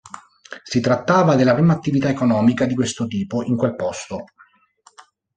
Si trattava della prima attività economica di questo tipo in quel posto.